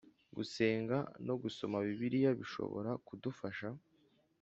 Gusenga no gusoma Bibiliya bishobora kudufasha